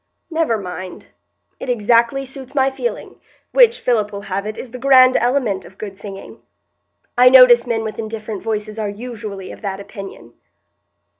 "Never mind; it exactly suits my feeling, which, Philip will have it, is the grand element of good singing. I notice men with indifferent voices are usually of that opinion."